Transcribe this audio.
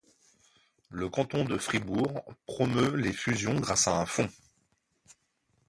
Le canton de Fribourg promeut les fusions grâce à un fonds.